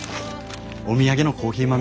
お土産のコーヒー豆。